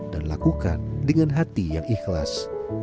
dan lakukan dengan hati yang ikhlas